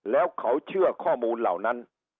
แล้วเขาเชื่อข้อมูลเหล่านั้น